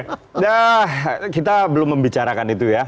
nah kita belum membicarakan itu ya